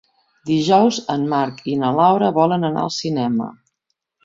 Dijous en Marc i na Laura volen anar al cinema.